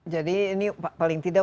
jadi ini paling tidak